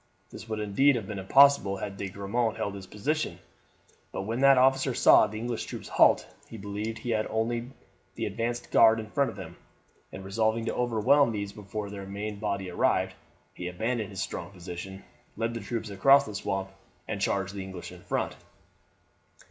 This would indeed have been impossible had De Grammont held his position; but when that officer saw the English troops halt he believed he had only the advanced guard in front of him, and resolving to overwhelm these before their main body arrived, he abandoned his strong position, led the troops across the swamp, and charged the English in front.